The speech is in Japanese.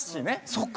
そっか。